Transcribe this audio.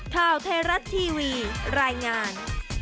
ข่าวเทราะต์ทีวีรายงาน